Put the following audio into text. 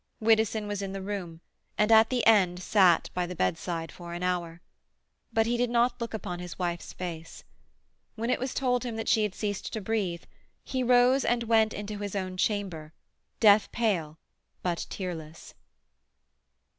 Widdowson was in the room, and at the end sat by the bedside for an hour. But he did not look upon his wife's face. When it was told him that she had ceased to breathe, he rose and went into his own chamber, death pale, but tearless.